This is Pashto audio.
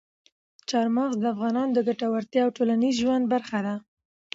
چار مغز د افغانانو د ګټورتیا او ټولنیز ژوند برخه ده.